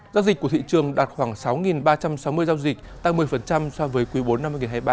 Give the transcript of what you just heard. giao dịch của thị trường đạt khoảng sáu ba trăm sáu mươi giao dịch tăng một mươi so với quý bốn năm hai nghìn hai mươi ba